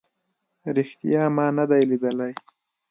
ریښتیا ما نه دی لیدلی